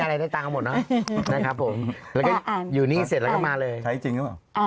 อะเราก็อย่างนั้นเห็นขายของบ่อยในก่อนเข้ารายการเลยเนี่ย